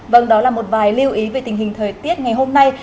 vâng đó là một vài lưu ý về tình hình thời tiết ngày hôm nay